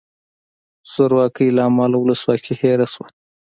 زورواکۍ له امله ولسواکي هیره شوه.